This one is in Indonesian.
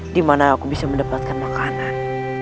dimana aku bisa mendapatkan makanan